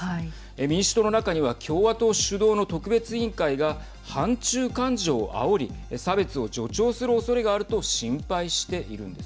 民主党の中には共和党主導の特別委員会が反中感情をあおり差別を助長するおそれがあると心配しているんです。